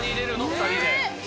２人で。